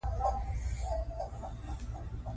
د دې بوټو سره پیوند مهم دی.